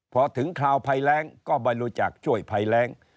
พอถึงคราวภัยแรงก็บริจาคช่วยภัยแรง